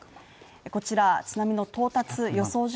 こちら津波の到達予想